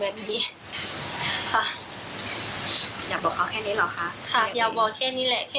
แค่อยากจะถามว่าเขาเห็นว่าหนูเป็นน้องเขาอยู่หรือเปล่า